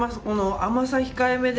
甘さ控えめで。